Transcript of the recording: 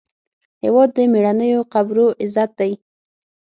هېواد د میړنیو قبرو عزت دی.